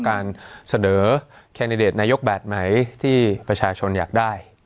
การเสนอแคนดิเดตนายกแบบไหนที่ประชาชนอยากได้